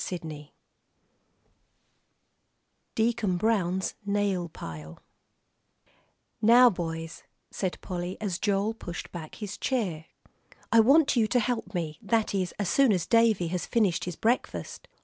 III DEACON BROWN'S NAIL PILE "Now, boys," said Polly, as Joel pushed back his chair, "I want you to help me, that is, as soon as Davie has finished his breakfast."